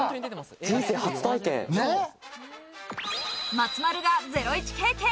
松丸がゼロイチ経験。